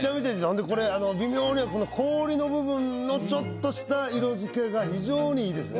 ほんでこれ微妙に氷の部分のちょっとした色づけが非常に良いですね。